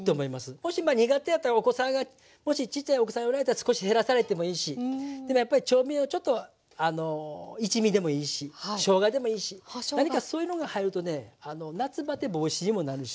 もしまあ苦手やったらお子さんがもしちっちゃいお子さんがおられたら少し減らされてもいいしでもやっぱり調味料ちょっと一味でもいいししょうがでもいいし何かそういうのが入るとね夏バテ防止にもなるし。